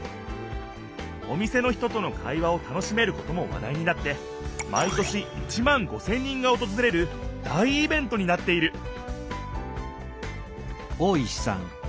お店の人との会話を楽しめることも話題になって毎年１万５千人がおとずれる大イベントになっている